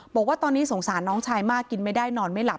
บอกว่าตอนนี้สงสารน้องชายมากกินไม่ได้นอนไม่หลับ